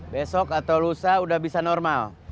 besok atau lusa sudah bisa normal